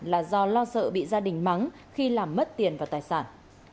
là do lo sợ bị gia đình mắng khi làm mất tiền và tài sản